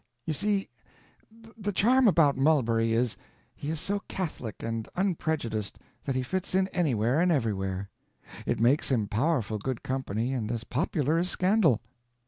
You see, the charm about Mulberry is, he is so catholic and unprejudiced that he fits in anywhere and everywhere. It makes him powerful good company, and as popular as scandal.